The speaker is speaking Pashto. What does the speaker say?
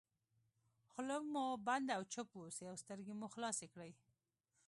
خوله مو بنده او چوپ واوسئ او سترګې مو خلاصې کړئ.